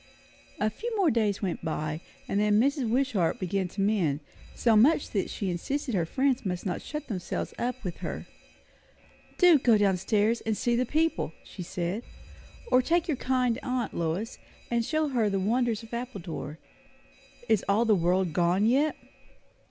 A few more days went by; and then Mrs. Wishart began to mend; so much that she insisted her friends must not shut themselves up with her. "Do go down stairs and see the people!" she said; "or take your kind aunt, Lois, and show her the wonders of Appledore. Is all the world gone yet?"